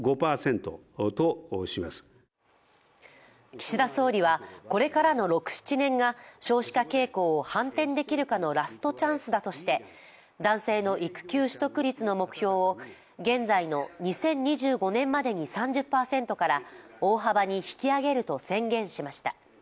岸田総理はこれからの６７年が少子化傾向を反転できるかのラストチャンスだとして男性の育休取得率の目標を現在の２０２５年までに３０％から大幅に引き上げると宣言しました。